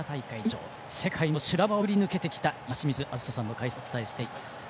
世界の修羅場を潜り抜けてきた岩清水梓さんの解説でお伝えしています。